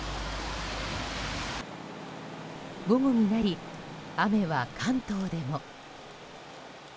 午後になり、雨は関東でも。